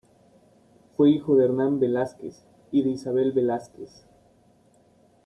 Fue hijo de Hernán Velázquez y de Isabel Velázquez.